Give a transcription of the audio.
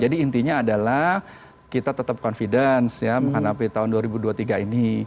jadi intinya adalah kita tetap confidence mengenai api tahun dua ribu dua puluh tiga ini